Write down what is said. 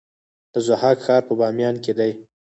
د ضحاک ښار په بامیان کې دی